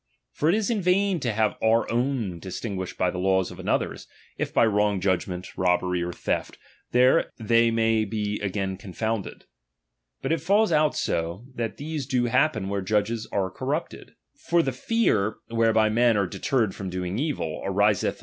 For it is in vain to have our own ^^H distinguished by the laws from another's, if by ^^M wrong judgment, robbery, or theft, they may be ^^M again confounded. But it falls out so, that these do ^^H happen where judges are corrupted. For the fear DOMINION. 181 whereby men are deterred from doing evil, ariseth chap. xiir.